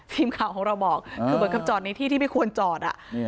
ทีมข่าวของเราบอกบนการจอดหน้าที่ไม่ควรจอด